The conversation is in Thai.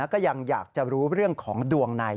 ก็ยังอยากจะรู้เรื่องของดวงใน